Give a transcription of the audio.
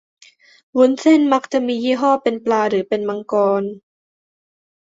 วุ้นเส้นมักจะมียี่ห้อเป็นปลาหรือเป็นมังกร